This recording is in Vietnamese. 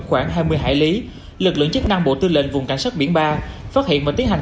khoảng hai mươi hải lý lực lượng chức năng bộ tư lệnh vùng cảnh sát biển ba phát hiện và tiến hành